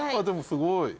でもすごい。